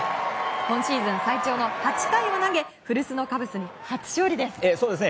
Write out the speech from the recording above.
今シーズン最長の８回を投げ古巣のカブスに初勝利です。